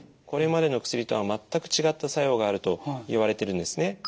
これまでの薬とは全く違った作用があるといわれてるんですね。